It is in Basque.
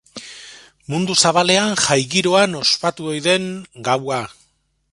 Mundu zabalean jai-giroan ospatu ohi den gaua.